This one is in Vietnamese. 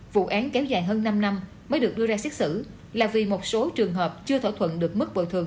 vụ án kéo dài hơn năm năm mới được đưa ra xét xử là vì một số trường hợp chưa thỏa thuận được mức bồi thường